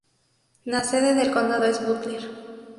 La sede de condado es Butler.